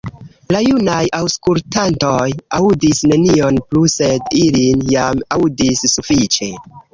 La junaj aŭskultantoj aŭdis nenion plu, sed ili jam aŭdis sufiĉe.